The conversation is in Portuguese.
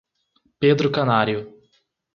Pedro Canário